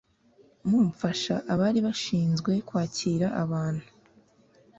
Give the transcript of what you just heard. mumfasha Abari bashinzwe kwakira abantu